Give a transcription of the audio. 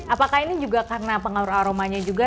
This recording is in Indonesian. apakah ini juga karena pengaruh aromanya juga